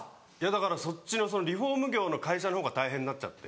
だからそっちのリフォーム業の会社の方が大変になっちゃって。